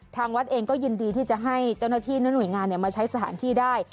ทางวัดเองก็ยินดีที่จะให้เจ้าหน้าที่และหน่วยงานมาใช้สถานที่ได้